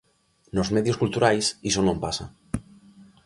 Nos medios culturais iso non pasa.